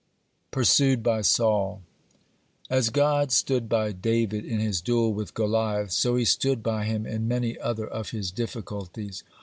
(45) PURSUED BY SAUL As God stood by David in his duel with Goliath, so he stood by him in many other of his difficulties.